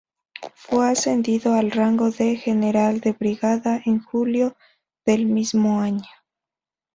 Fue ascendido al rango de General de brigada en julio del mismo año.